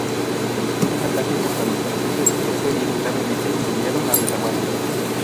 Dirigió un ataque contra los franceses, pero fue herido gravemente y enviado a retaguardia.